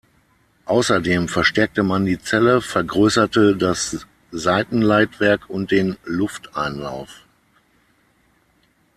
Außerdem verstärkte man die Zelle, vergrößerte das Seitenleitwerk und den Lufteinlauf.